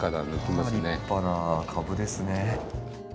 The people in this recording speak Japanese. まあ立派な株ですね。